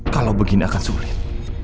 kalau begini akan sulit